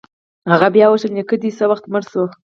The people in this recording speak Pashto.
هغه بيا وپوښتل نيکه دې څه وخت مړ سو.